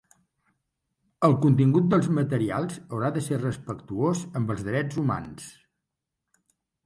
El contingut dels materials haurà de ser respectuós amb els drets humans.